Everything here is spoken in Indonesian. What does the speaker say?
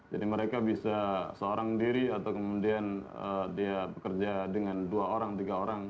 jadi mereka bisa seorang diri atau kemudian dia bekerja dengan dua orang tiga orang